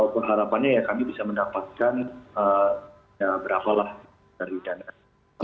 perharapannya kami bisa mendapatkan berapa lah dari dana